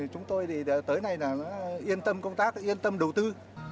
chúng tôi tới nay yên tâm công tác yên tâm đầu tư